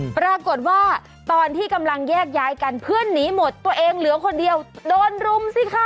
ปรากฏว่าตอนที่กำลังแยกย้ายกันเพื่อนหนีหมดตัวเองเหลือคนเดียวโดนรุมสิคะ